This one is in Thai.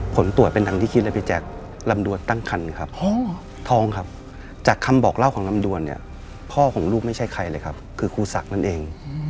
ผลตรวจเป็นทางที่คิดนะพี่แจ๊คลำดวนตั้งคันครับท้องครับจากคำบอกเล่าของลำดวนเนี่ยพ่อของลูกไม่ใช่ใครเลยครับคือครูศักดิ์นั่นเอง